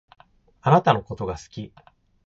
あなたのことが好き。